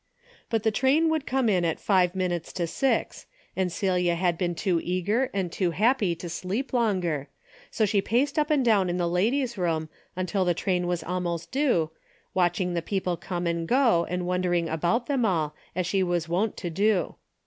But the train would come in at five minutes to six, and Celia had been too eager and too happy to sleep longer, so she paced up and down in the ladies' room until the train was almost due, watching the people come and go and wondering about them all as she was wont to do.